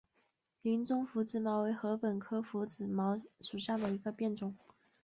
林中拂子茅为禾本科拂子茅属下的一个变种。